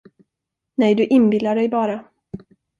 Nej, du inbillar dig bara.